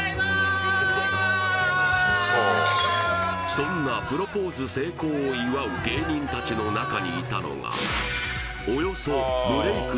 そんなプロポーズ成功を祝う芸人達の中にいたのがおよそブレイク